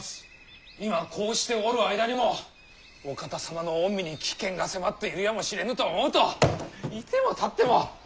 今こうしておる間にもお方様の御身に危険が迫っているやもしれぬと思うと居ても立っても。